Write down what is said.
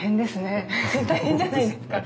大変じゃないですか？